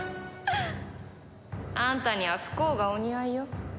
あんたには不幸がお似合いよ。